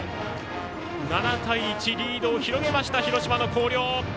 ７対１、リードを広げました広島の広陵！